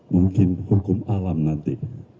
mungkin hukum alam nanti